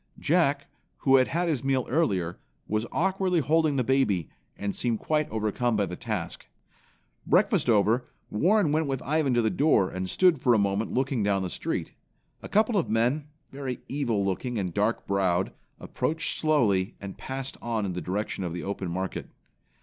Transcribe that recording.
Jack, who had had his meal earlier, was awkwardly holding the baby, and seemed quite overcome by the task. Breakfast over, Warren went with Ivan to the door, and stood for a moment looking down the street. A couple of men, very evil looking and dark browed, approached slowly, and passed on in the direction of the open market.